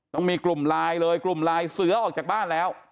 ต้องมีกลุ่มไลน์เลยกลุ่มลายเสือออกจากบ้านแล้ว